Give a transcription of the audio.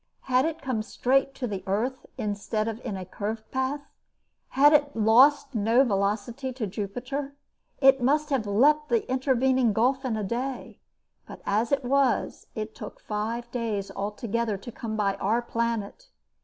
Had it come straight to the earth instead of in a curved path, had it lost no velocity to Jupiter, it must have leapt the intervening gulf in a day, but as it was it took five days altogether to come by our planet.